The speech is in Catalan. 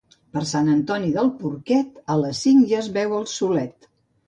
Per Sant Antoni del porquet, a les cinc ja es veu el solet.